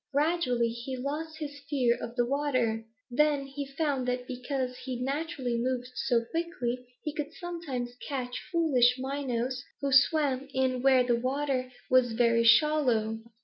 Gradually he lost his fear of the water. Then he found that because he naturally moved so quickly he could sometimes catch foolish minnows who swam in where the water was very shallow.